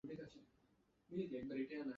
তবে পানিতেই বেশি থেকেছিলাম।